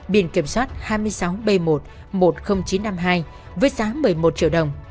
biển kiểm soát hai mươi sáu b một một mươi nghìn chín trăm năm mươi hai với giá một mươi một triệu đồng